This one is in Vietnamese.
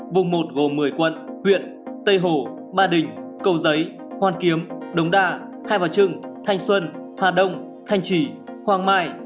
vùng một gồm một mươi quận huyện tây hồ ba đình cầu giấy hoan kiếm đồng đa hai vào trưng thanh xuân hòa đông thanh trì hoàng mai